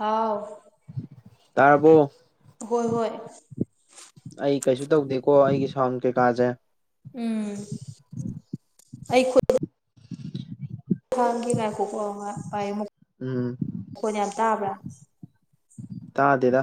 ꯍꯥꯎ ꯇꯔꯄꯣ ꯍꯣꯏ ꯍꯣꯏ ꯑꯩ ꯀꯩꯁꯨ ꯇꯧꯗꯦꯀꯣ ꯑꯩꯒꯤ ꯁꯥꯎꯟ ꯀꯩꯀꯥꯁꯦ ꯎꯝ ꯑꯩꯈꯨ ꯍꯥꯡꯈꯤ ꯉꯥꯏꯈꯣꯛꯀ ꯉꯚꯥꯏ ꯎꯝ ꯃꯈꯣꯟ ꯌꯥꯝ ꯇꯥꯕ꯭ꯔꯥ ꯇꯥꯗꯦꯗ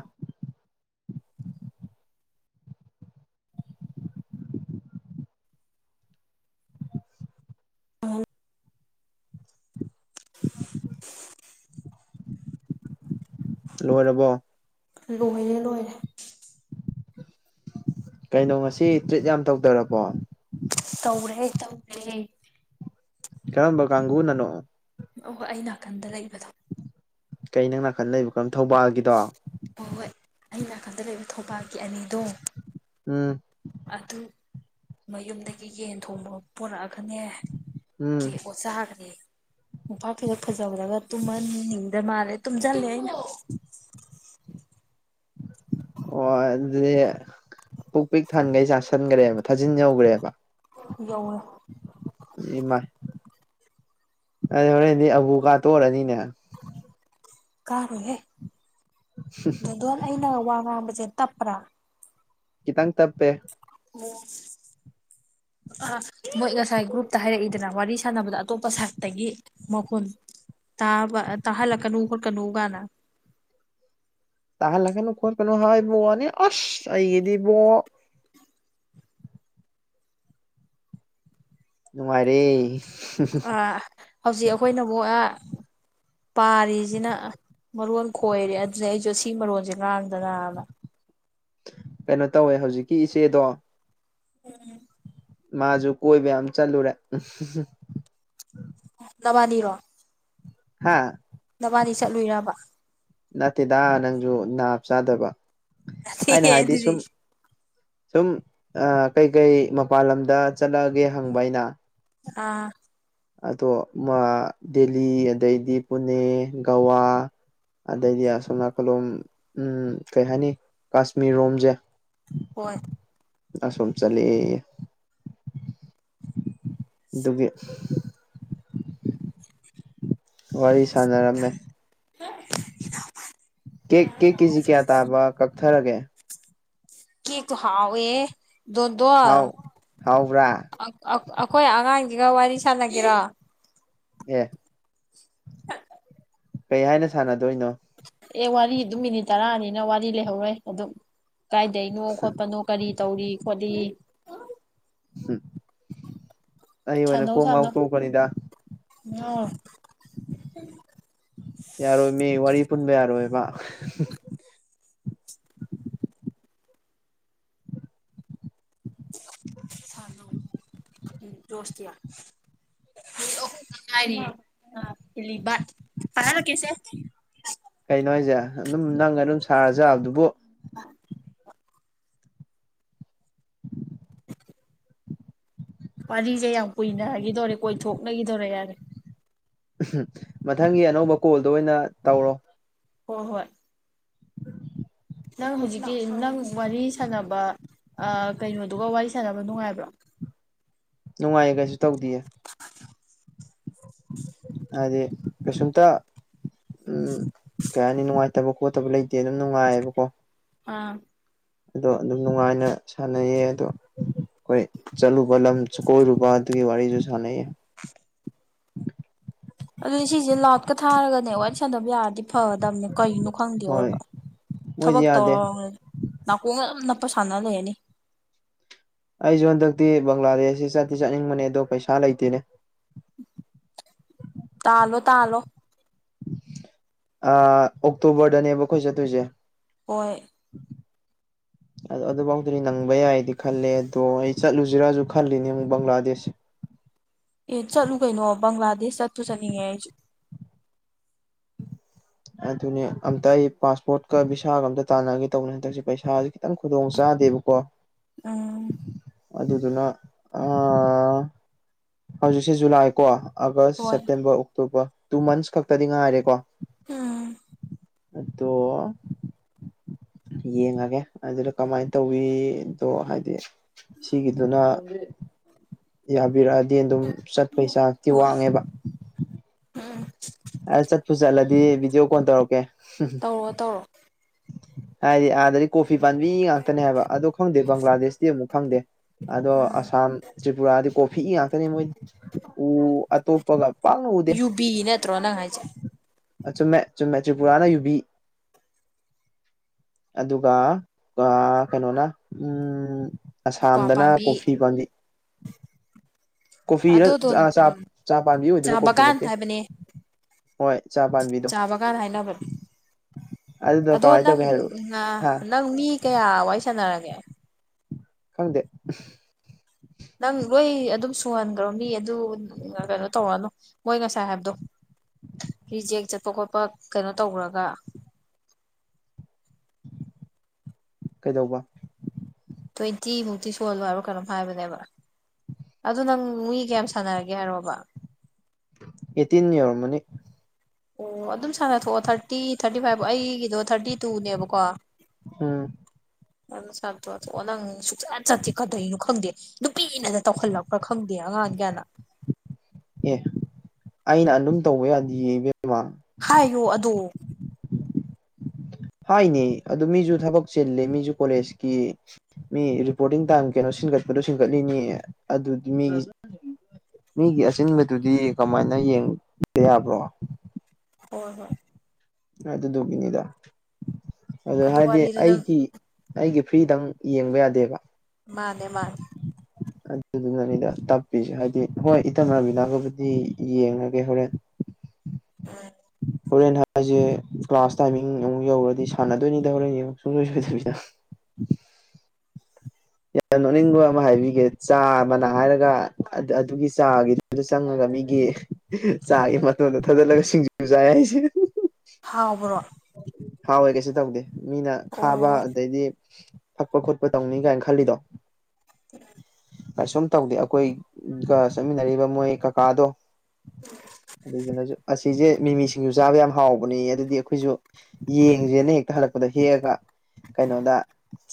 ꯂꯣꯏꯔꯕꯣ ꯂꯣꯏꯔꯦ ꯂꯣꯏꯔꯦ ꯀꯩꯅꯣ ꯉꯁꯤ ꯇ꯭ꯔꯤꯠ ꯌꯥꯝ ꯇꯧꯗꯔꯕꯣ ꯇꯧꯔꯦ ꯇꯧꯔꯦꯦ ꯀꯔꯝꯕ ꯀꯥꯡꯪꯒꯨꯅꯅꯣ ꯑꯣ ꯑꯩ ꯅꯥꯀꯟꯗ ꯂꯩꯕꯗꯣ ꯀꯩ ꯅꯪ ꯅꯥꯀꯟ ꯂꯩꯕ ꯀꯔꯝ ꯊꯧꯕꯥꯜꯒꯤꯗꯣ ꯑ ꯅꯥꯀꯟꯗ ꯂꯩꯕ ꯊꯧꯕꯥꯜꯒꯤ ꯑꯅꯤꯗꯣ ꯑꯝ ꯑꯗꯨ ꯃꯌꯨꯝꯗꯒꯤ ꯌꯦꯟ ꯊꯣꯡꯕ ꯄꯨꯔꯛꯑꯒꯅꯦ ꯎꯝ ꯀꯦ ꯑꯣ ꯆꯈ꯭ꯔꯦ ꯎꯐ ꯐꯤꯖ ꯐꯖꯍ꯭ꯔꯒ ꯇꯨꯝꯃ ꯏꯗ ꯃꯥꯔꯦ ꯇꯨꯝ ꯆꯂ ꯍꯥꯏ ꯑꯣ ꯑꯗꯨꯗ ꯄꯨꯛ ꯄꯤꯛ ꯊꯥꯟꯈꯩ ꯆꯥꯥꯁꯟꯈ꯭ꯔꯦꯕ ꯊꯥꯖꯤꯟ ꯌꯧꯈ꯭ꯔꯦꯕ ꯌꯧꯔꯦ ꯏꯃꯥꯏ ꯑꯗꯨ ꯍꯣꯔꯦꯟꯗꯤ ꯑꯕꯨ ꯀꯥ ꯇꯣꯛꯔꯅꯤꯅꯦ ꯀꯥꯔꯨꯍꯦ ꯑꯗꯣꯟ ꯑꯩꯅ ꯋꯥ ꯉꯥꯡꯕꯁꯦ ꯇꯞꯄ꯭ꯔꯥ ꯇꯥꯡ ꯇꯞꯄꯦ ꯑꯣ [inaudible] ꯑ ꯃꯣꯏ ꯉꯁꯥꯏ ꯒ꯭ꯔꯨꯞꯇ ꯍꯥꯏꯔꯛꯏꯗꯅ ꯋꯥꯔꯤ ꯁꯥꯟꯅꯕꯗ ꯑꯇꯣꯞꯄ ꯁꯥꯏꯠꯇꯒꯤ ꯃꯈꯨꯣꯟ ꯇꯥ ꯇꯥ ꯍꯂꯛ ꯀꯅꯨ ꯍꯔ ꯀꯅꯨꯒꯅ ꯇꯍꯂ ꯀꯩꯅꯣ ꯈ ꯀꯩꯅꯣ ꯍꯥꯏꯕꯣꯅꯤ ꯑꯁ ꯑꯩꯒꯤꯗꯤꯕꯣ ꯅꯨꯡꯉꯥꯏꯔꯦ ꯑ ꯍꯧꯖꯤꯛ ꯑꯩꯈꯣꯏꯅ ꯑꯃꯨꯛ [unintelligible] ꯄꯥꯔꯤꯁꯤꯅ ꯃꯔꯣꯟ ꯈꯣꯏꯔꯦ ꯑꯗꯨꯗ ꯑꯩꯁꯨ ꯑꯁꯤ ꯃꯔꯣꯟꯁꯦ ꯉꯥꯡꯗꯅꯅ ꯀꯩꯅꯣ ꯇꯧꯋꯦ ꯍꯧꯖꯤꯛꯀꯤ ꯏꯆꯦꯗꯣ ꯎꯝ ꯃꯥꯁꯨ ꯀꯣꯏꯕ ꯌꯥꯝ ꯆꯠꯂꯨꯔꯦ ꯅꯕꯥꯅꯤꯔꯣ ꯍꯥꯥ ꯅꯕꯥꯅꯤ ꯆꯠꯂꯨꯔꯕ ꯅꯠꯇꯦꯗ ꯅꯪꯁꯨ ꯅꯥꯞ ꯆꯥꯗꯕ ꯑꯩꯅ ꯍꯥꯏꯗꯤ ꯑꯗꯨꯗꯤ ꯁꯨꯝ ꯁꯨꯝ ꯀꯩꯀꯩ ꯃꯄꯜ ꯂꯝꯗ ꯆꯠꯂꯛꯑꯒꯦ ꯍꯪꯕ ꯑꯩꯅ ꯑꯥ ꯑꯗꯣ ꯗꯦꯜꯂꯤ ꯑꯗꯩꯗꯤ ꯄꯨꯅꯦ ꯒꯋꯥ ꯑꯗꯩꯗꯤ ꯑꯁꯣꯝ ꯅꯥꯀꯂꯣꯝ ꯎ ꯀꯩ ꯍꯥꯏꯅꯤ ꯀꯥꯁꯃꯤꯔ ꯔꯣꯝꯁꯦ ꯍꯣꯏ ꯑꯁꯣꯝ ꯆꯠꯂꯦ ꯑꯗꯨꯒꯤ ꯋꯥꯔꯤ ꯁꯅꯔꯝꯃꯦ ꯀꯦꯛ ꯀꯦꯛ ꯀꯦꯖꯤ ꯀꯌꯥ ꯇꯥꯕ ꯀꯛꯊꯔꯒꯦ ꯀ ꯀ ꯍꯥꯎ ꯑꯦ ꯗꯣꯗꯣ ꯍꯥꯎ ꯍꯥꯎꯕ꯭ꯔꯥ ꯑꯩꯈꯣꯏ ꯑꯉꯥꯡ ꯁꯤꯒ ꯋꯥꯔꯤ ꯁꯥꯟꯅꯒꯦꯔꯣ ꯑꯦ ꯀꯩ ꯍꯥꯏꯅ ꯁꯥꯟꯅꯗꯣꯏꯅꯣ ꯑꯦ ꯋꯥꯔꯤ ꯑꯗꯨꯝ ꯃꯤꯅꯤꯠ ꯇꯔꯥꯅꯤꯅ ꯋꯥꯔꯤ ꯂꯩꯍꯧꯔꯣꯏ ꯑꯗꯨꯝ ꯀꯥꯏꯗꯩꯅꯣ ꯈꯣꯠꯄꯅꯣ ꯀꯔꯤ ꯇꯧꯔꯤ ꯈꯣꯠꯂꯤ ꯎꯝ ꯑꯩ ꯑꯣꯏꯅ ꯁꯥꯟꯅꯧ ꯀꯣꯡ ꯉꯥꯎ ꯁꯥꯟꯅꯧ ꯇꯧꯕꯅꯤꯗ ꯉꯥꯎꯔꯣꯏ ꯌꯥꯔꯣ ꯃ ꯋꯥꯔꯤ ꯋꯥꯔꯤ ꯄꯨꯟꯕ ꯌꯥꯔꯣꯏꯕ ꯁꯅꯨ ꯗꯣꯁꯌꯥ ꯔꯤ ꯐꯔ ꯂ ꯀꯦꯁꯦ ꯀꯩꯅꯣ ꯍꯥꯏꯁꯦ ꯑꯗꯨꯝ ꯅꯪ ꯑꯗꯨꯝ ꯁꯥꯔꯖꯥꯕꯗꯨꯕꯨ ꯄꯁꯦ ꯌꯥꯝ ꯀꯨꯏꯅꯈꯤꯗꯧꯔꯦ ꯀꯣꯏꯊꯣꯛꯅꯈꯤꯗꯧꯔꯦ ꯌꯥꯔꯦ ꯃꯊꯪꯒꯤ ꯑꯅꯧꯕ ꯀꯣꯜꯗ ꯑꯣꯏꯅ ꯇꯧꯔꯣ ꯍꯣꯏ ꯍꯣꯏ ꯅꯪ ꯍꯧꯖꯤꯛꯀꯤ ꯅꯪ ꯋꯥꯔꯤ ꯁꯥꯟꯅꯕ ꯀꯩꯅꯣꯗꯨꯒ ꯋꯥꯔꯤ ꯁꯥꯟꯅꯕ ꯅꯨꯡꯉꯥꯏꯕ꯭ꯔꯣ ꯅꯨꯡꯉꯥꯏꯌꯦ ꯀꯩꯁꯨ ꯇꯧꯗꯌꯦ ꯑꯗꯗꯤ ꯀꯁꯟꯇ ꯎꯝ ꯀꯩ ꯍꯥꯏꯅꯤ ꯅꯨꯡꯉꯥꯏꯇꯕ ꯈꯣꯠꯇꯕ ꯂꯩꯇꯦ ꯑꯗꯨꯝ ꯅꯨꯡꯉꯥꯏꯌꯦꯕꯀꯣ ꯑꯥ ꯑꯗꯣ ꯑꯗꯨꯝ ꯅꯨꯡꯉꯥꯏꯅ ꯁꯥꯟꯅꯩꯌꯦ ꯑꯗꯣ ꯣꯏ ꯆꯜꯂꯨ ꯄꯂꯝ ꯆ ꯀꯣꯏꯔꯨꯕ ꯑꯗꯨꯒꯤ ꯋꯥꯔꯤꯁꯨꯁꯅ [unintelligible] ꯑꯗꯨꯗꯤ ꯁꯤꯁꯦ ꯂꯥꯎꯠꯀ ꯊꯥꯔꯒꯅꯦ ꯋꯥꯔꯤ ꯁꯥꯟꯅꯕ ꯌꯥꯔꯗꯤ ꯐꯒꯗꯕꯅꯦ ꯀꯅꯣ ꯈꯪꯗꯦ ꯑꯣꯏꯕ ꯍꯣꯏ ꯃꯣꯏꯗꯤ ꯊꯕꯛ ꯌꯥꯗꯦ ꯇꯧꯔ ꯅꯥꯀꯣꯡꯒ ꯌꯥꯝ ꯅꯞꯄ ꯁꯥꯟꯅ ꯂꯩꯔꯅꯤ ꯑꯩꯁꯨꯦ ꯍꯟꯗꯛꯇꯤ ꯕꯪꯒ꯭ꯂꯥꯗꯦꯁꯁꯤ ꯆꯠꯇꯤ ꯆꯠꯅꯤꯡꯕꯅꯦ ꯑꯗꯣ ꯄꯩꯁꯥ ꯂꯩꯇꯦꯅꯦ ꯇꯥꯜꯂꯣ ꯇꯥꯂꯣ ꯑꯣꯛꯇꯣꯕꯔꯗꯅꯦꯕ ꯑꯩꯈꯣꯏ ꯆꯠꯇꯣꯏꯁꯦ ꯑꯣꯏꯣꯏ [inaudible] ꯑ ꯑꯗꯨꯐꯥꯎꯗꯗꯤ ꯅꯪꯕ ꯌꯥꯏꯗꯤ ꯈꯜꯂꯦ ꯑꯗꯣ ꯑꯩ ꯆꯠꯂꯨꯁꯤꯔꯁꯨ ꯈꯜꯂꯤꯅꯦ ꯑꯃꯨꯛ ꯕꯪꯒ꯭ꯂꯥꯗꯦꯁ [inaudible] ꯑꯦ ꯆꯠꯂꯨ ꯀꯩꯅꯣ ꯕꯪꯒ꯭ꯂꯥꯗꯦꯁ ꯆꯠꯇꯁꯨ ꯆꯠꯅꯤꯡꯉꯦ ꯑꯩꯁꯨ ꯑꯗꯨꯅꯦ ꯑꯝꯇ ꯑꯩ ꯄꯥꯁꯄꯣꯔꯠꯀ ꯚꯚꯤꯁꯥꯒ ꯑꯝꯇ ꯇꯥꯟꯅꯒꯦ ꯇꯧꯕꯅꯦ ꯍꯟꯗꯛꯁꯤ ꯄꯩꯁꯥꯁꯤ ꯈꯤꯇꯪ ꯈꯨꯗꯣꯡ ꯆꯥ ꯗꯦꯕꯀꯣ ꯎꯝ ꯑꯗꯨꯗꯨꯅ ꯍꯧꯖꯤꯛꯁꯦ ꯖꯨꯂꯥꯏꯀꯣ ꯑꯥꯒꯁ ꯍꯣꯏ ꯁꯦꯞꯇꯦꯝꯕꯔ ꯑꯣꯛꯇꯣꯕꯔ ꯇꯨ ꯃꯟꯁ ꯈꯛꯇꯗꯤ ꯉꯥꯏꯔꯦꯀꯣ ꯑꯝ ꯠꯇꯣ ꯌꯦꯡꯉꯒꯦ ꯑꯗꯨꯅ ꯀꯃꯥꯏꯅ ꯇꯧꯋꯗꯣ ꯍꯥꯏꯗꯤ ꯁꯤꯒꯤꯗꯨꯅ ꯌꯥꯕꯤꯔꯛꯑꯗꯤ ꯑꯗꯨꯝ ꯆꯠꯄ ꯍ ꯆꯥꯛꯇꯤ ꯍꯣꯏ ꯋꯥꯡꯉꯦꯕ ꯑ ꯆꯠꯄꯨ ꯆꯠꯂꯗꯤ ꯚꯗꯤꯑꯣ ꯀꯣꯣꯟ ꯇꯧꯔꯛꯀꯦ ꯇꯧꯔꯣ ꯇꯧꯔꯣ ꯍꯥꯏꯗꯤ ꯑꯥꯗꯗꯤ ꯀꯣꯐꯤ ꯄꯥꯝꯕꯤ ꯉꯥꯛꯇꯅꯦ ꯍꯥꯏꯕ ꯑꯗꯣ ꯈꯪꯗꯦ ꯕꯪꯒ꯭ꯂꯥꯗꯦꯁꯇꯤ ꯑꯃꯨꯛ ꯈꯪꯗꯦ ꯑꯗꯣ ꯑꯁꯥꯝ ꯇ꯭ꯔꯤꯄꯨꯔꯥꯗꯤ ꯀꯣꯐꯤꯛ ꯏꯉ ꯀꯅꯤ ꯃꯣꯏ ꯎ ꯑꯇꯣꯞꯄꯒ ꯄꯥꯜꯅ ꯎꯎꯗꯦ ꯌꯨꯕꯤ ꯅꯠꯇ꯭ꯔꯣ ꯅꯪ ꯍꯥꯏꯁꯦ ꯆꯨꯝꯃꯦ ꯆꯨꯝꯃꯦ ꯇ꯭ꯔꯤꯄꯨꯔꯥꯅ ꯌꯨꯕꯤ ꯑꯗꯨꯒ ꯀꯩꯅꯣꯅ ꯎꯝ ꯀ꯭ꯋꯥ ꯑꯁꯥꯝꯗꯅ ꯄꯥꯝꯕꯤ ꯀꯣꯐꯤ ꯄꯥꯝꯕꯤꯩ ꯀꯣꯐꯤꯔ ꯑꯗꯨꯗꯣ ꯎꯝ ꯆꯥ ꯄꯥꯝꯕꯤ ꯆꯥ ꯑꯣꯏꯗꯕ ꯀꯣꯐꯤ ꯕꯒꯥꯟ ꯅꯠꯇꯦ ꯍꯣꯏ ꯆꯥ ꯄꯥꯝꯕꯤꯗꯣ ꯆꯥꯕꯒꯥꯅꯥ ꯍꯥꯏꯂꯕ ꯑꯗꯨꯗꯣ ꯑꯗꯣ ꯀꯃꯥꯏꯅ ꯅꯪ ꯇꯧꯒꯦ ꯍꯥꯏꯔꯛꯑꯣ ꯍꯥ ꯅꯪ ꯃꯤ ꯀꯌꯥ ꯋꯥꯔꯤ ꯁꯥꯟꯅꯔꯒꯦ ꯈꯪꯗꯦ ꯅꯪ ꯂꯣꯣꯏ ꯑꯗꯨꯝ ꯁꯨꯍꯟꯈ꯭ꯔꯣ ꯃꯤ ꯑꯗꯨ ꯀꯩꯅꯣ ꯇꯧꯔꯅꯨ ꯃꯣꯏ ꯉꯁꯥꯏ ꯍꯥꯏꯕꯗꯣ ꯔꯤꯖꯦꯛ ꯆꯠꯄ ꯈꯣꯠꯄ ꯀꯩꯅꯣ ꯇꯧꯈ꯭ꯔꯒ ꯀꯩꯗꯧꯕ ꯇ꯭ꯋꯦꯟꯇꯤ ꯃꯨꯛꯇꯤ ꯁꯣꯍꯜꯂꯣꯏ ꯍꯥꯏꯕꯣ ꯀꯔꯝ ꯍꯥꯏꯕꯅꯦꯕ ꯑꯗꯨ ꯅꯪ ꯃꯤ ꯀꯌꯥꯝ ꯁꯥꯟꯅꯔꯒꯦ ꯍꯥꯏꯔꯣꯕ ꯑꯦꯇꯤꯟ ꯌꯔꯃꯅꯤ ꯑꯣ ꯑꯗꯨꯝ ꯁꯥꯟꯅꯊꯣꯛꯑꯣ ꯊꯥꯔꯇꯤ ꯊꯥꯔꯇꯤ ꯐꯥꯏꯚ ꯑꯩꯒꯤꯗꯣ ꯊꯥꯔꯇꯤ ꯇꯨꯅꯦꯕꯀꯣ ꯎꯝ ꯑꯗꯨ ꯁꯥ ꯅꯪ ꯁꯨꯛꯆꯠ ꯆꯠꯇꯤ ꯀꯥꯗꯩꯅꯣ ꯈꯪꯗꯦ ꯅꯨꯄꯤꯅ ꯇꯧꯈꯠꯂꯛꯄ꯭ꯔꯥ ꯈꯪꯗꯦ ꯑꯉꯥꯡ ꯀꯌꯥꯅ ꯑꯦ ꯑꯩꯅ ꯑꯗꯨꯝ ꯇꯧꯕ ꯌꯥꯗꯤꯕꯃ ꯍꯥꯏꯌꯣ ꯑꯗꯣ ꯍꯥꯏꯅꯤ ꯑꯗꯨ ꯃꯤꯁꯨ ꯊꯕꯛ ꯆꯤꯜꯂꯤ ꯃꯤꯁꯨ ꯀꯣꯂꯦꯖꯀꯤ ꯃꯤ ꯔꯤꯄꯣꯔꯇꯤꯡ ꯇꯥꯏꯝ ꯀꯩꯅꯣ ꯁꯤꯟꯒꯠꯄꯗꯣ ꯁꯤꯟꯒꯠꯂꯤꯅꯦ ꯑꯗꯨꯗꯤ ꯃꯤꯒꯤ ꯃꯤꯒꯤ ꯑꯁꯤꯆꯤꯟꯕꯗꯨꯗꯤ ꯀꯃꯥꯏꯅ ꯌꯦꯡꯕ ꯌꯥꯕ꯭ꯔꯣ ꯍꯣꯏ ꯍꯣꯏ ꯑꯗꯨꯗꯨꯒꯤꯅꯤꯗ ꯑꯗꯨ ꯍꯥꯏꯗꯤ ꯋꯥꯔꯤꯗꯨ ꯅꯪ ꯑꯩꯒꯤ ꯑꯩꯒꯤ ꯐ꯭ꯔꯤꯗꯪ ꯌꯦꯡꯕ ꯌꯥꯗꯦꯕ ꯃꯥꯅꯦ ꯃꯥꯅꯦ ꯑꯗꯨꯗꯨꯅꯅꯤꯗ ꯇꯥꯛꯄꯤꯁꯦ ꯍꯥꯏꯗꯤ ꯍꯣꯏ ꯏꯇꯝꯅꯥꯕꯤꯅꯥꯒꯕꯨꯗꯤ ꯌꯦꯡꯉꯒꯦ ꯍꯣꯔꯦꯟ ꯎꯝ ꯍꯣꯔꯦꯟ ꯍꯥꯏꯁꯦ ꯀ꯭ꯂꯥꯁ ꯇꯥꯏꯃꯤꯡ ꯑꯃꯨꯛ ꯌꯧꯔꯗꯤ ꯁꯥꯟꯅꯗꯣꯏꯅꯤꯗ ꯍꯣꯔꯦꯟ ꯌꯦꯡ ꯁꯨꯡꯁꯣꯏ ꯁꯣꯏꯗꯕꯤꯗ [inaudible] ꯌꯥꯝ ꯅꯣꯛꯅꯤꯡꯕ ꯑꯃ ꯍꯥꯏꯕꯤꯒꯦ ꯆꯥ ꯃꯅꯥ ꯍꯥꯏꯔꯒ ꯑꯗꯨꯒꯤ ꯆꯥꯒꯤꯗꯨꯗ ꯆꯪꯉꯒ ꯃꯤ ꯑꯩꯒꯤ ꯆꯥꯒꯤ ꯃꯇꯝꯣꯟꯗ ꯊꯥꯖꯤꯠꯂꯒ ꯁꯤꯡꯖꯨ ꯆꯥꯏ ꯍꯥꯏꯁꯦ ꯍꯥꯎꯕ꯭ꯔꯣ ꯍꯥꯎꯋꯦ ꯀꯩꯁꯨ ꯇꯧꯗꯦ ꯃꯤꯅ ꯈꯥꯕ ꯑꯣ ꯑꯗꯩꯗꯤ ꯊꯛꯄ ꯈꯣꯠꯄ ꯇꯧꯅꯤ ꯀꯥꯏꯅ ꯈꯜꯂꯤꯗꯣ ꯎ ꯀꯩꯁꯨꯝ ꯇꯧꯗꯦ ꯑꯩꯈꯣꯏꯒ ꯆꯠꯃꯤꯟꯅꯔꯤꯕ ꯃꯣꯏ ꯀꯀꯥꯗꯣ ꯑꯗꯨ ꯑꯁꯤꯁꯤꯁꯦ ꯃꯤꯃꯤ ꯁꯤꯡꯁꯨ ꯆꯥꯕ ꯌꯥꯝ ꯍꯥꯎꯕꯅꯤ ꯑꯗꯨꯗꯤ ꯑꯩꯈꯣꯏꯁꯨ ꯌꯦꯡꯁꯦꯅ ꯍꯦꯛꯇ ꯍꯜꯂꯛꯄꯗ ꯍꯦꯛꯑꯒ ꯀꯩꯅꯣꯗ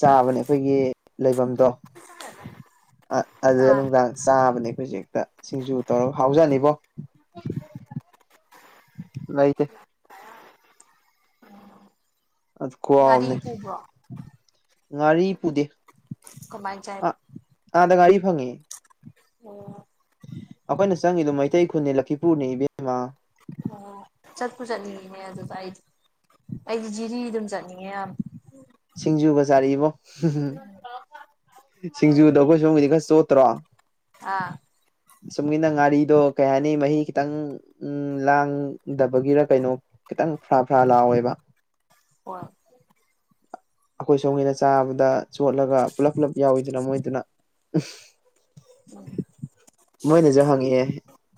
ꯆꯥꯕꯅꯦ ꯑꯩꯈꯣꯏꯒꯤ ꯂꯩꯐꯝ ꯣ ꯑꯗꯨꯗ ꯑꯥ ꯅꯨꯡꯗꯥꯡ ꯆꯥꯕꯅꯦ ꯍꯧꯖꯤꯦꯛꯇ ꯁꯤꯡꯖꯨ ꯇꯧꯔꯒ ꯍꯥꯎꯖꯅꯤꯕꯣ ꯥꯏꯇ ꯎꯝ ꯑꯗꯨ ꯈꯨꯍꯥꯎ ꯑꯃꯅꯤ ꯉꯥꯔꯤ ꯄꯨꯗꯦ ꯀꯃꯥꯏ ꯆꯥꯢꯕ ꯑꯥ ꯑꯥꯗ ꯉꯔꯤ ꯐꯪꯉꯦ ꯑꯣ ꯑꯩꯈꯣꯏꯅ ꯆꯪꯉꯗ ꯃꯩꯇꯩ ꯈꯨꯟꯅꯦ ꯂꯛꯈꯤꯄꯨꯔꯅꯤ ꯢꯕꯦꯝꯃꯥ ꯑ ꯆꯠꯄꯨ ꯆꯅꯤꯡꯉꯤꯅꯦ ꯑꯗꯨ ꯑꯩꯗꯤ ꯑꯩꯗꯤ ꯖꯤꯔꯤ ꯗꯨꯝ ꯆꯠꯅꯤꯡꯉꯦ ꯌꯥꯝ ꯁꯤꯡꯖꯨꯒ ꯆꯥꯔꯛꯢꯕꯣ ꯁꯤꯡꯖꯨꯗꯣ ꯑꯩꯈꯣꯏ ꯁꯣꯝꯒꯤꯗꯤ ꯈꯔ ꯆꯣꯠꯇ꯭ꯔꯣ ꯑꯥ ꯁꯨꯝꯒꯤꯅ ꯉꯥꯔꯤꯗꯣ ꯀꯩ ꯍꯥꯏꯅꯤ ꯃꯍꯤ ꯈꯤꯇꯪ ꯎ ꯂꯥꯡꯗꯕꯒꯤꯔ ꯀꯩꯅꯣ ꯈꯤꯇꯪ ꯐꯔꯥ ꯐꯔꯥ ꯂꯥꯎꯋꯦꯕ ꯍꯣꯏ ꯑꯩꯈꯣꯏ ꯁꯣꯝꯒꯤꯅ ꯆꯥꯕꯗ ꯆꯣꯠꯂꯒ ꯄꯨꯂꯞ ꯄꯨꯜꯂꯞ ꯌꯥꯎꯋꯤꯗꯅ ꯃꯣꯏꯗꯨꯅ ꯎꯝ ꯃꯣꯢꯅꯖꯨ ꯍꯪꯉꯛꯑꯦ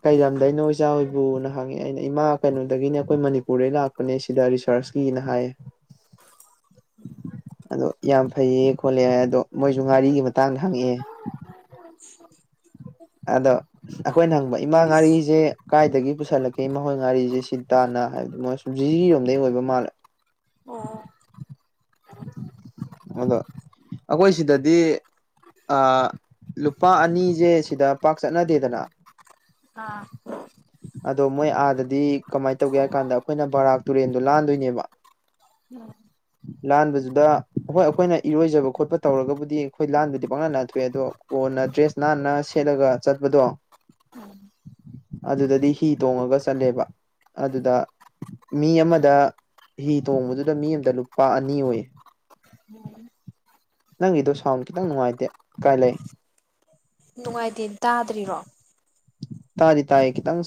ꯀꯩ ꯂꯝꯗꯩꯅꯣ ꯏꯆꯥ ꯍꯣꯏꯕꯨꯅ ꯍꯪꯉꯛꯑꯦ ꯑꯩꯅ ꯏꯃꯥ ꯀꯩꯅꯣꯗꯒꯤꯅꯦ ꯑꯩꯈꯣꯏ ꯃꯅꯤꯄꯨꯔꯗꯩ ꯂꯥꯛꯄꯅꯦ ꯁꯤꯗ ꯔꯤꯁ ꯁꯔꯁꯀꯤꯅ ꯍꯥꯏꯌꯦ ꯑꯗꯣ ꯌꯥꯝ ꯐꯩꯌꯦ ꯈꯣꯠꯂꯦ ꯍꯥꯢ ꯑꯗꯣ ꯃꯣꯏꯖꯨ ꯉꯥꯔꯤꯒꯤ ꯃꯇꯥꯡꯗ ꯍꯪꯉꯛꯑꯦ [inaudible] ꯑꯗꯣ ꯑꯩꯈꯣꯏꯅ ꯍꯪꯕ ꯏꯃꯥ ꯉꯥꯔꯤꯖꯦ ꯀꯥꯏꯗꯒꯤ ꯄꯨꯁꯜꯂꯛꯀꯦ ꯏꯃꯥ ꯍꯣꯏ ꯉꯥꯔꯤꯖꯦ ꯁꯤ ꯇꯥꯅ ꯍꯥꯏꯕꯗꯨ ꯃꯣꯏꯁꯨ ꯖꯤꯔꯣꯝꯗꯩ ꯑꯣꯏꯕ ꯃꯥꯜꯂꯦ ꯑꯣ ꯑꯗꯣ ꯑꯩꯈꯣꯏ ꯁꯤꯗꯗꯤ ꯂꯨꯄꯥ ꯑꯅꯤꯁꯦ ꯁꯤꯗ ꯄꯥꯛ ꯆꯠꯅꯗꯦꯗꯅ ꯑꯥ ꯑꯗꯣ ꯃꯣꯏ ꯑꯥꯗꯗꯤ ꯀꯃꯥꯏꯅ ꯇꯧꯒꯦ ꯍꯥꯏ ꯀꯥꯟꯗ ꯑꯩꯈꯣꯏꯅ ꯕꯔꯥꯛ ꯇꯨꯔꯦꯟꯗꯣ ꯂꯥꯟꯗꯣꯏꯅꯦꯕ ꯎꯝ ꯂꯥꯟꯕꯗꯨꯗ ꯍꯣꯏ ꯑꯩꯈꯣꯏꯅ ꯏꯔꯣꯏꯖꯕ ꯈꯣꯠꯄ ꯇꯧꯔꯒꯕꯨꯗꯤ ꯑꯩꯈꯣꯏ ꯂꯥꯟꯕꯨꯗꯤ ꯄꯪꯌꯥꯟ ꯂꯥꯟꯊꯣꯛꯑꯦ ꯑꯗꯣ ꯀꯣꯟꯅ ꯗ꯭ꯔꯦꯁ ꯅꯥꯟꯅ ꯁꯦꯠꯂꯒ ꯆꯠꯄꯗꯣ ꯎꯝ ꯑꯗꯨꯗꯗꯤ ꯍꯤ ꯇꯣꯡꯉꯒ ꯆꯠꯂꯦꯕ ꯑꯗꯨꯗ ꯃꯤ ꯑꯃꯗ ꯍꯤ ꯇꯣꯡꯕꯗꯨꯗ ꯃꯤ ꯑꯃꯗ ꯂꯨꯞ ꯂꯄꯥ ꯑꯅꯤ ꯑꯣꯏꯌꯦ ꯅꯪꯒꯤꯗꯣ ꯁꯥꯎꯟꯗ ꯈꯤꯇꯪ ꯅꯨꯡꯉꯥꯏꯇꯦ ꯀꯥꯏ ꯂꯩ ꯅꯨꯡꯉꯥꯏꯇꯦ ꯇꯥꯗ꯭ꯔꯤꯔꯣ ꯇꯥꯗꯤ ꯇꯥꯏ ꯈꯤꯇꯪ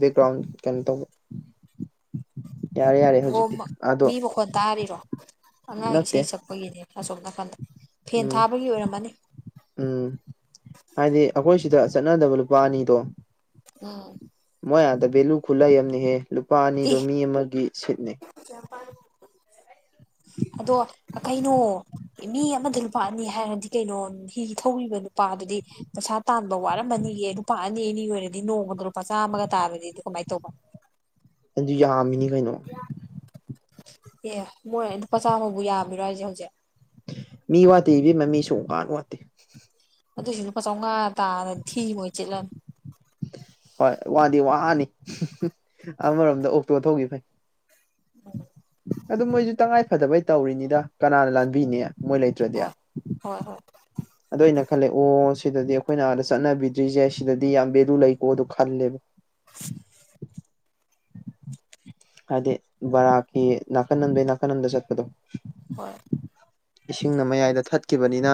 ꯕꯦꯛꯒ꯭ꯔꯥꯎꯟ ꯀꯩꯅꯣ ꯇꯧꯕ ꯌꯥꯔꯦ ꯌꯥꯔꯦ ꯑꯣ ꯍꯧꯖꯤꯛꯇꯤ ꯑꯗꯣ ꯃꯤ ꯃꯈꯣꯟ ꯇꯥꯔꯤꯔꯣ ꯑꯉꯥꯡ ꯅꯠꯇꯦ ꯏꯁꯩ ꯁꯛꯄꯒꯤꯅꯦ ꯑꯁꯣꯛꯝ ꯅꯥꯀꯟꯗ ꯐꯦꯟ ꯎꯝ ꯊꯥꯕꯒꯤ ꯑꯣꯏꯔꯝꯃꯅꯤ ꯎꯝ ꯍꯥꯏꯗꯤ ꯑꯩꯈꯣꯏ ꯁꯤꯗ ꯆꯠꯅꯗꯕ ꯂꯨꯄꯥ ꯑꯅꯤꯗꯣ ꯎꯝ ꯃꯣꯏ ꯑꯥꯗ ꯚꯦꯂꯨ ꯈꯨꯂꯩ ꯑꯃꯅꯤꯍꯦ ꯂꯨꯄꯥ ꯑꯅꯤꯗꯣ ꯑꯦ ꯃꯤ ꯑꯃꯒꯤ ꯁꯤꯠꯅꯦ ꯑꯗꯣ ꯀꯩꯅꯣ ꯃꯤ ꯑꯃꯗ ꯂꯨꯄꯥ ꯑꯅꯤ ꯍꯥꯏꯔꯗꯤ ꯀꯩꯅꯣ ꯍꯤ ꯊꯧꯔꯤꯕ ꯅꯨꯄꯥ ꯗꯨꯗꯤ ꯄꯩꯁꯥ ꯇꯥꯟꯕ ꯋꯥꯔꯝꯃꯅꯤ ꯂꯨꯄꯥ ꯑꯅꯤ ꯑꯅꯤꯒꯤ ꯑꯣꯏꯔꯗꯤ ꯅꯣꯡꯃꯗ ꯂꯨꯄꯥ ꯆꯥꯝꯃꯒ ꯇꯥꯕꯗꯗꯤ ꯀꯃꯥꯏ ꯇꯧꯕ ꯑꯗꯨ ꯌꯥꯝꯃꯤꯅꯤ ꯀꯩꯅꯣ ꯑꯦ ꯃꯣꯏ ꯂꯨꯄꯥ ꯆꯥꯝꯃꯕꯨ ꯌꯥꯝꯃꯤꯔꯣ ꯍꯥꯏꯁꯦ ꯍꯧꯖꯤꯛ ꯃꯤ ꯋꯥꯠꯇꯦ ꯏꯕꯦꯝꯃ ꯃꯤ ꯁꯨꯨꯡꯋꯥꯠ ꯋꯥꯠꯇꯦ ꯑꯗꯨꯏꯖꯨ ꯂꯨꯄꯥ ꯆꯧꯉꯥ ꯇꯥꯜꯂꯗꯤ ꯊꯤ ꯃꯣꯏ ꯆꯤꯠꯂꯅꯤ ꯍꯣꯏ ꯋꯥꯗꯤ ꯋꯥꯅꯤ ꯑꯃꯔꯣꯝꯗ ꯑꯣꯛꯇꯣ ꯊꯧꯈꯤ ꯐꯩ ꯑꯗꯨ ꯃꯣꯏꯁꯨ ꯇꯉꯥꯏ ꯐꯗꯕꯩ ꯇꯧꯔꯤꯅꯤꯗ ꯀꯅꯥꯅ ꯂꯥꯟꯕꯤꯅꯦ ꯍ ꯍꯣꯏ ꯍꯣꯏ ꯑꯗꯨꯗ ꯑꯩꯅ ꯈꯜꯂꯦ ꯑꯣ ꯁꯤꯗꯗꯤ ꯑꯩꯈꯣꯏꯅ ꯑꯥꯗ ꯆꯠꯅꯕꯤꯗ꯭ꯔꯤꯁꯦ ꯁꯤꯗꯗꯤ ꯌꯥꯝ ꯚꯦꯂꯨ ꯂꯩꯀꯣ ꯑꯗꯨ ꯈꯜꯂꯦꯕ ꯍꯥꯏꯗꯤ ꯔꯀꯤ ꯅꯅꯥꯀꯅ ꯅꯅꯥꯀꯅꯗ ꯆꯠꯀꯗꯣ ꯍꯣꯏ ꯏꯁꯤꯡꯅ ꯃꯌꯥꯏꯗ ꯊꯠꯈꯤꯕꯅꯤꯅ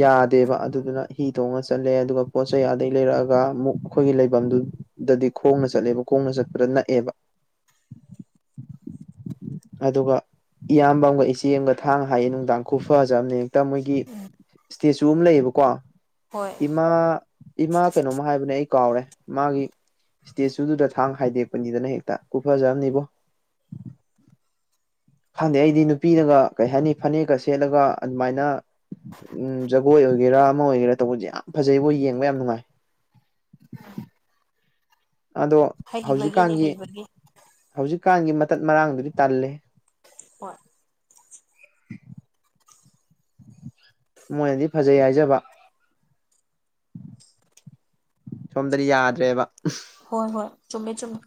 ꯌꯥꯗꯦꯕ ꯑꯗꯨꯗꯨꯅ ꯐꯤ ꯊꯣꯡꯉ ꯆꯠꯂꯦ ꯑꯗꯨꯒ ꯄꯣꯠ ꯆꯩ ꯑꯗꯒꯤꯩ ꯂꯩꯔꯛꯑꯒ ꯑꯃꯨꯛ ꯑꯩꯈꯣꯏꯒꯤ ꯂꯩꯐꯝꯗꯨꯗꯗꯤ ꯈꯣꯡꯅ ꯆꯠꯂꯦꯕ ꯈꯣꯡ ꯍꯣꯡꯅ ꯆꯛꯄꯗ ꯅꯛꯑꯦꯕ ꯑꯗꯨꯒ ꯏꯌꯥꯝꯕ ꯑꯃꯒ ꯏꯆꯦ ꯑꯃꯒ ꯊꯥꯡ ꯍꯥꯏꯌꯦ ꯅꯨꯡ ꯗꯥꯡꯈ ꯐꯖꯕꯅꯦ ꯍꯦꯛꯇ ꯃꯣꯏꯒꯤ ꯏꯁꯇꯦꯆꯨ ꯑꯃ ꯂꯩꯌꯦꯕꯀꯣ ꯍꯣꯏ ꯏꯃꯥ ꯏꯃꯥ ꯀꯩꯅꯣꯃ ꯍꯥꯏꯕꯅꯦ ꯑꯩ [unintelligible] ꯈꯪꯗꯦ ꯑꯩꯗꯤ ꯅꯨꯄꯤꯅꯒ ꯀꯩ ꯍꯥꯏꯅꯤ ꯐꯅꯦꯛꯒꯁ ꯁꯦꯠꯂꯒ ꯑꯗꯨꯃꯥꯏꯅ ꯎꯝ ꯖꯒꯣꯏ ꯑꯣꯏꯒꯦꯔꯥ ꯑꯃ ꯑꯣꯏꯒꯦꯔꯥ ꯇꯧꯕꯁꯦ ꯌꯥꯝ ꯐꯖꯩꯕꯣꯏ ꯌꯦꯡꯕ ꯌꯥꯝ ꯅꯨꯡꯉꯥꯏ ꯎꯝ ꯑꯗꯣ ꯍꯧꯖꯤꯛꯀꯥꯟꯒꯤ ꯍꯩꯕꯒꯤ ꯍꯧꯖꯤꯛꯀꯥꯟꯒꯤ ꯃꯇꯠ ꯃꯔꯥꯡꯗꯨꯗꯤ ꯇꯜꯂꯦ ꯍꯣꯏ ꯃꯣꯏꯅꯗꯤ ꯐꯖꯩ ꯍꯥꯏꯖꯕ ꯁꯣꯝꯗꯗꯤ ꯌꯥꯗ꯭ꯔꯦꯕ ꯍꯣꯏ ꯍꯣꯏ ꯆꯨꯝꯃꯦ ꯆꯨꯝꯃꯦ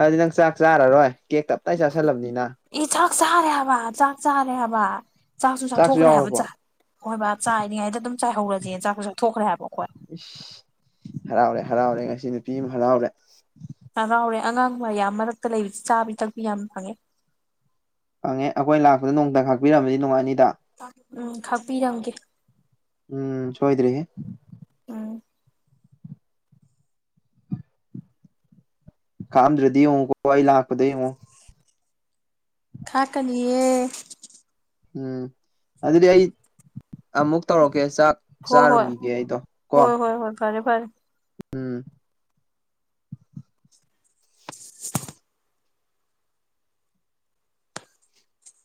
ꯑꯗꯨꯗꯤ ꯅꯪ ꯆꯥꯛ ꯆꯥꯔꯔꯣꯏ ꯀꯦ ꯇꯞꯇꯥꯏ ꯆꯥꯥꯁꯜꯂꯕꯅꯤꯅ ꯑꯦ ꯆꯥꯛ ꯆꯥꯔꯦ ꯍꯥꯏꯕ ꯆꯥꯛ ꯆꯥꯔꯦ ꯍꯥꯏꯕ ꯆꯥꯛꯁꯨ ꯆꯥꯛꯊꯣꯛꯈ꯭ꯔꯦ ꯍꯥꯏꯕ ꯍꯣꯏ ꯕꯥ ꯆꯥꯏꯔꯤꯉꯩꯗ ꯑꯗꯨꯝ ꯆꯥꯏꯍꯧꯔꯁꯦ ꯆꯥꯛꯁꯨ ꯆꯥꯛꯊꯣꯛꯈ꯭ꯔꯦ ꯍꯥꯏꯕꯣ ꯏꯁ ꯍꯔꯥꯎꯔꯦ ꯍꯔꯥꯎꯔꯦ ꯉꯁꯤ ꯅꯨꯄꯤ ꯑꯃ ꯍꯔꯥꯎꯔꯦ ꯍꯔꯥꯎꯔꯦ ꯑꯉꯥꯡ ꯃꯌꯥꯝ ꯃꯔꯛꯇ ꯂꯩꯕꯁꯤ ꯆꯥꯕꯤ ꯊꯛꯄꯤ ꯌꯥꯝ ꯐꯪꯉꯦ ꯐꯪꯉꯦ ꯑꯩꯈꯣꯏ ꯂꯥꯛꯄꯗ ꯅꯣꯡꯇ ꯈꯥꯛꯄꯤꯔꯝꯃꯅꯤ ꯅꯨꯡꯉꯥꯏꯅꯤꯗ ꯎꯝ ꯈꯥꯛꯄꯤꯔꯝꯒꯦ ꯎꯝ ꯁꯣꯏꯗ꯭ꯔꯦꯍꯦ ꯎꯝ ꯀꯥꯝꯗꯗꯤ ꯀ ꯏꯩ ꯂꯥꯛꯀꯗꯨ ꯈꯥꯛꯀꯅꯤꯌꯦ ꯎꯝ ꯑꯗꯨꯗꯤ ꯑꯩ ꯑꯃꯨꯛ ꯇꯧꯔꯛꯀꯦ ꯆꯥꯛ ꯍꯣꯏ ꯍꯣꯏ ꯆꯥꯔꯨꯒꯤꯒꯦ ꯑꯩꯗꯣ ꯀꯣ ꯍꯣꯏ ꯍꯣꯏ ꯍꯣꯏ ꯐꯔꯦ ꯐꯔꯦ ꯎꯝ